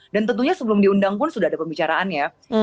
dan tentunya sebelum diundang pun sudah ada pembicaraannya